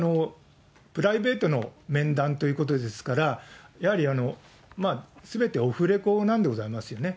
プライベートの面談ということですから、やはりすべてオフレコなんでございますよね。